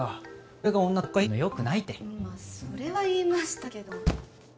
うんそれは言いましたけど。